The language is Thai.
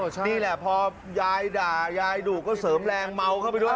นี่แหละพอยายด่ายายดุก็เสริมแรงเมาเข้าไปด้วย